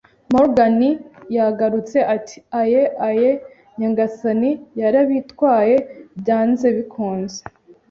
Morgan yagarutse ati: "Aye, aye, nyagasani, yarabitwaye, byanze bikunze".